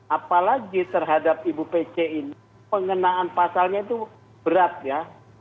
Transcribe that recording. apalagi terhadap ibu pc ini pengenaan pasalnya itu berat ya